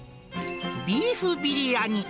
ビーフビリヤニ。